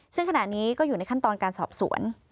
ซึ่งขณะนี้ก็อยู่ในขั้นตอนการสอบสวน